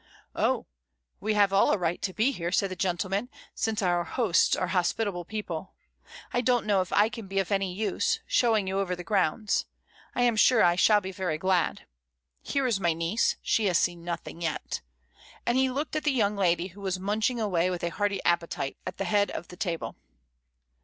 "Oh, we have all a right to be here," said the gentleman, "since our hosts are hospitable people. I don't know if I can be of any use, showing you over the grounds. I am sure I shall be very glad. Here is my niece, she has seen nothing yet;" and he looked at the young lady who was munching away with a hearty appetite, at the head of the table.